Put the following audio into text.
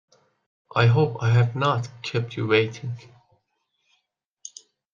I hope I have not kept you waiting.